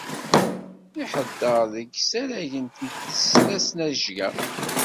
Iḥeddeṛ deg yisaragen n tesnajya.